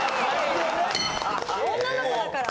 女の子だから。